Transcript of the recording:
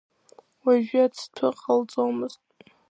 Уажәы ацҭәы ҟалаӡомызт.